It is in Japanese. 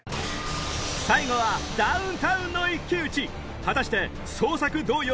最後はダウンタウンの一騎打ち